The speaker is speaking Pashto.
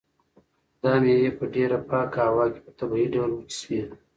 دا مېوې په ډېره پاکه هوا کې په طبیعي ډول وچې شوي.